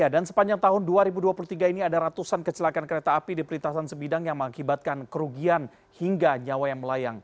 sepanjang tahun dua ribu dua puluh tiga ini ada ratusan kecelakaan kereta api di perlintasan sebidang yang mengakibatkan kerugian hingga nyawa yang melayang